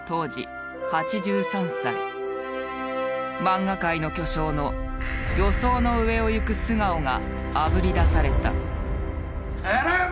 漫画界の巨匠の予想の上をいく素顔があぶり出された。